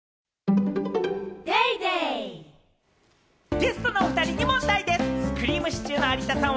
ゲストのおふたりに問題です。